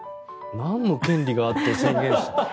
なんの権利があって宣言したの？